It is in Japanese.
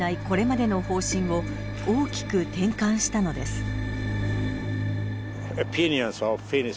これまでの方針を大きく転換したのです。